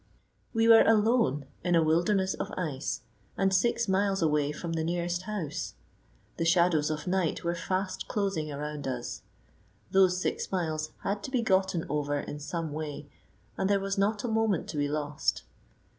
We were alone in a wilderness of ice, and six miles away from the nearest house. The shadows of night were fast closing around us. Those six miles had to be gotten over in some way, and there was not a moment to be lost.